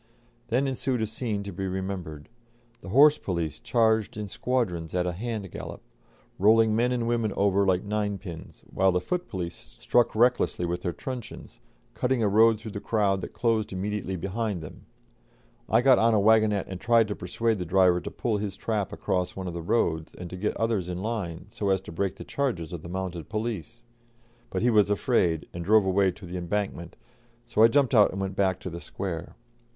Then ensued a scene to be remembered; the horse police charged in squadrons at a hand gallop, rolling men and women over like ninepins, while the foot police struck recklessly with their truncheons, cutting a road through the crowd that closed immediately behind them. I got on a waggonette and tried to persuade the driver to pull his trap across one of the roads, and to get others in line, so as to break the charges of the mounted police; but he was afraid, and drove away to the Embankment, so I jumped out and went back to the Square.